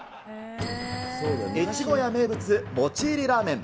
ゑちごや名物、餅入りラーメン。